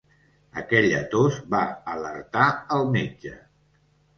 Aquella tos va alertar el metge.